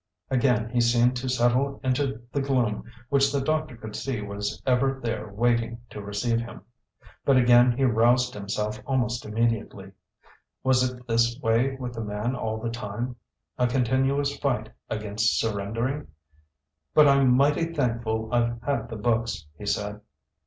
Again he seemed to settle into the gloom which the doctor could see was ever there waiting to receive him. But again he roused himself almost immediately. Was it this way with the man all the time? A continuous fight against surrendering? "But I'm mighty thankful I've had the books," he said.